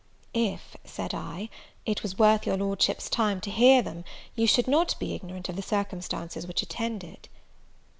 "If," said I, "it was worth your Lordship's time to hear them, you should not be ignorant of the circumstances which attend it."